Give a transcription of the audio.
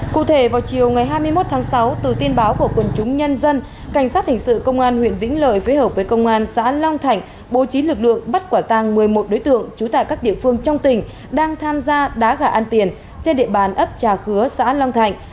cụ thể vào chiều ngày hai mươi một tháng sáu từ tin báo của quân chúng nhân dân cảnh sát hình sự công an huyện vĩnh lợi phối hợp với công an xã long thạnh bố trí lực lượng bắt quả tàng một mươi một đối tượng trú tại các địa phương trong tỉnh đang tham gia đá gà ăn tiền trên địa bàn ấp trà khứa xã long thạnh